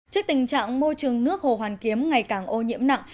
trước tình trạng môi trường nước hồ hoàn kiếm ngày càng ô nhiễm nặng